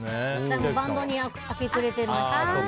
バンドに明け暮れてました。